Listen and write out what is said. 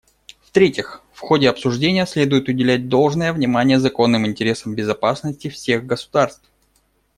В-третьих, в ходе обсуждения следует уделять должное внимание законным интересам безопасности всех государств.